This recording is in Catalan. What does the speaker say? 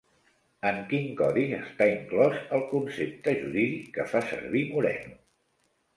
En quin codi està inclòs el concepte jurídic que fa servir Moreno?